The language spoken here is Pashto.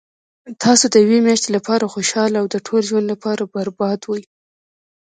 تاسو د یوې میاشتي لپاره خوشحاله او د ټول ژوند لپاره بربادوي